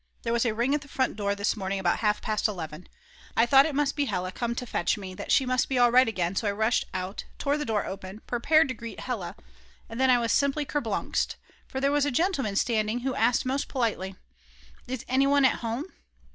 There was a ring at the front door this morning at about half past 11. I thought it must be Hella come to fetch me, that she must be all right again, so I rushed out, tore the door open, prepared to greet Hella, and then I was simply kerblunxed, for there was a gentleman standing who asked most politely: Is anyone at home?